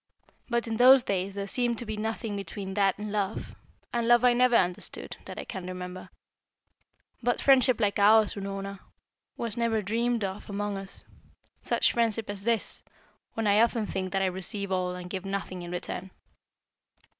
But in those days there seemed to be nothing between that and love, and love I never understood, that I can remember. But friendship like ours, Unorna, was never dreamed of among us. Such friendship as this, when I often think that I receive all and give nothing in return."